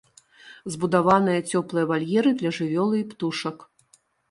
Збудаваныя цёплыя вальеры для жывёлы і птушак.